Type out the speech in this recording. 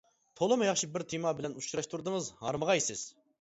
تولىمۇ ياخشى بىر تېما بىلەن ئۇچراشتۇردىڭىز، ھارمىغايسىز!